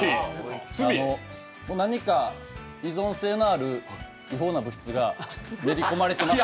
何か依存性のある違法な物質が練り込まれてます。